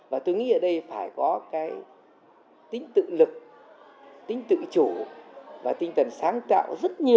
và tôi nghĩ ở đây phải có cái tính tự lực tính tự chủ và tinh thần sáng tạo rất nhiều